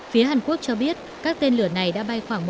phía hàn quốc cho biết các tên lửa này đã bay khoảng một